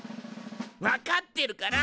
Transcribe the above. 分かってるから！